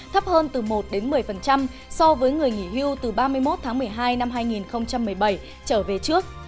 thấp hơn từ một đến một mươi so với người nghỉ hưu từ ba mươi một tháng một mươi hai năm hai nghìn một mươi bảy trở về trước